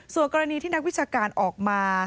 ส่วนกรณีที่นักวิชาการออกมา